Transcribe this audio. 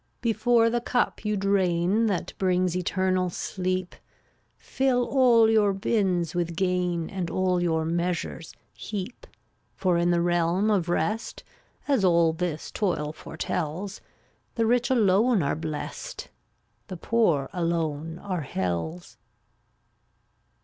3 87 Before the cup you drain That brings eternal sleep, Fill all your bins with gain And all your measures heap For in the realm of rest (As all this toil foretells) The rich alone are blest, The poor alone are hell's.